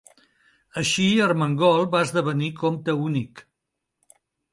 Així, Ermengol va esdevenir comte únic.